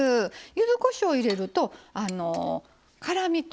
ゆずこしょう入れると辛みと